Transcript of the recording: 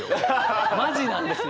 マジなんですよ。